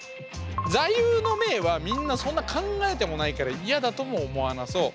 座右の銘はみんなそんな考えてもないから嫌だとも思わなそう。